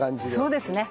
そうですね。